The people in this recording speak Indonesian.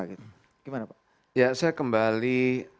gimana pak ya saya kembali